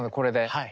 はい！